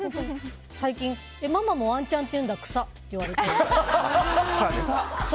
最近、ママもワンチャンって言うんだ、草って言われて。